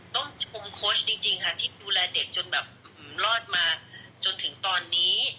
ต้องชมโค้ชจริงค่ะที่ดูแลเด็กจนแบบรอดมาจนถึงตอนนี้